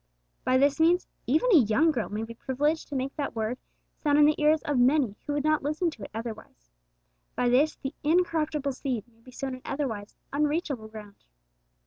By this means, even a young girl may be privileged to make that Word sound in the ears of many who would not listen to it otherwise. By this, the incorruptible seed may be sown in otherwise unreachable ground.